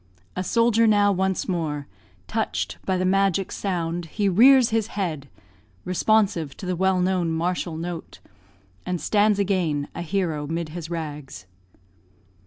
A soldier now once more Touch'd by the magic sound, he rears his head, Responsive to the well known martial note, And stands again a hero 'mid his rags.